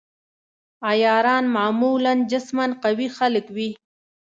عیاران معمولاً جسماً قوي خلک وي.